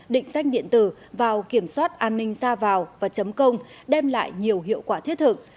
định sách điện tử vào kiểm soát an ninh xa vào và chấm công đem lại nhiều hiệu quả thiết thực